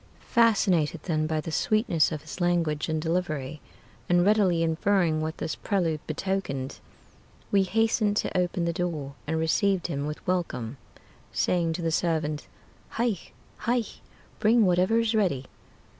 Fascinated then by the sweetness of his language and delivery, And readily inferring what this prelude betokened, We hasted to open the door, and received him with welcome, Saying to the servant, "Hie! Hie! Bring whatever is ready!"